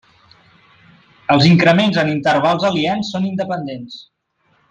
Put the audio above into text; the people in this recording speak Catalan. Els increments en intervals aliens són independents.